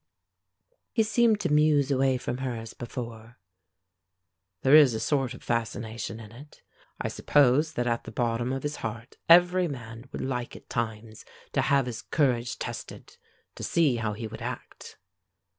He seemed to muse away from her as before. "There is a sort of fascination in it. I suppose that at the bottom of his heart every man would like at times to have his courage tested; to see how he would act."